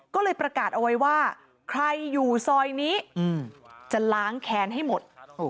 ก็เลยประกาศเอาไว้ว่าใครอยู่ซอยนี้จะล้างแค้นให้หมด